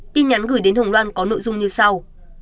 tin nhắn gửi đến hồng loan có nội dung như sau